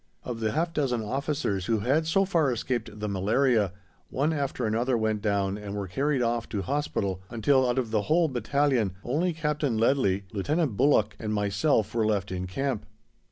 Of the half dozen officers who had so far escaped the malaria, one after another went down and were carried off to Hospital, until, out of the whole battalion, only Captain Leadley, Lieutenant Bullock, and myself were left in Camp!